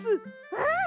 うん！